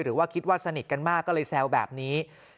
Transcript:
หรือว่าคิดว่าสนิทกันมากก็เลยแซวแบบนี้